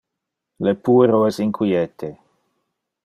Le puero es inquiete.